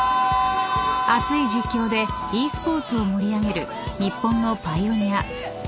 ［熱い実況でｅスポーツを盛り上げる日本のパイオニア］